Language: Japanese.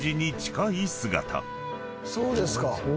そうですか。